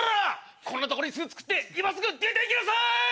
こんな所に巣作って今すぐ出ていきなさい！